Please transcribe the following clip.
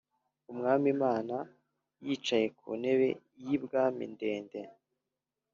Umwami imana yicaye ku ntebe y ubwami ndende